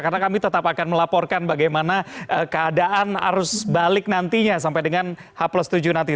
karena kami tetap akan melaporkan bagaimana keadaan arus balik nantinya sampai dengan h plus tujuh nanti